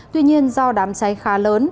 tuy nhiên do đám cháy khá lớn